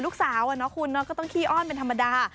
ลูกสาวอะเนาะคุณก็ต้องขี้อ้อนเป็นธรรมดา